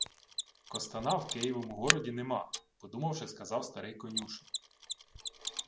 — Костана в Києвому городі нема, — подумавши, сказав старий конюший.